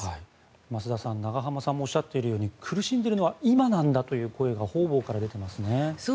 増田さん、永濱さんもおっしゃっているように苦しんでいるのは今なんだという声が方々から出ていますね。